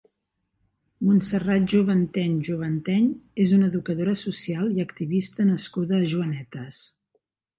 Montserrat Juvanteny Juvanteny és una educadora social i activista nascuda a Joanetes.